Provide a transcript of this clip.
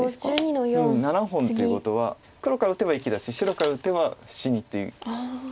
７本ということは黒から打てば生きだし白から打てば死にという。